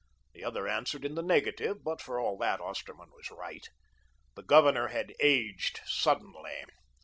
The other answered in the negative, but, for all that, Osterman was right. The Governor had aged suddenly.